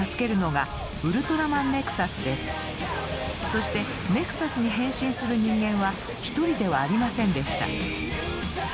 そしてネクサスに変身する人間は１人ではありませんでした。